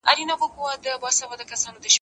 دې چي ول بالا به باغ ګلان لري باره هيڅ نه ول